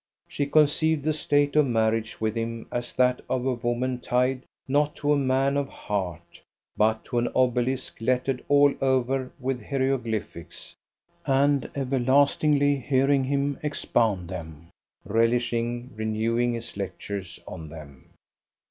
She conceived the state of marriage with him as that of a woman tied not to a man of heart, but to an obelisk lettered all over with hieroglyphics, and everlastingly hearing him expound them, relishing renewing his lectures on them.